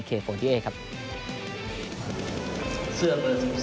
เสื้อเบอร์สิบสองที่เลือกเลย